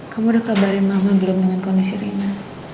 kamu udah kabarin mama belum dengan kondisi rina